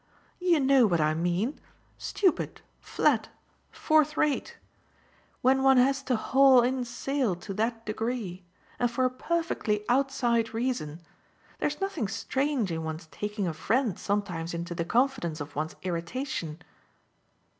"You know what I mean stupid, flat, fourth rate. When one has to haul in sail to that degree and for a perfectly outside reason there's nothing strange in one's taking a friend sometimes into the confidence of one's irritation."